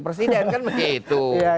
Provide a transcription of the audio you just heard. presiden kan begitu